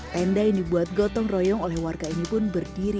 tenda yang dibuat gotong royong oleh warga ini pun berdiri